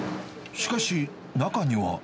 しかし、中には。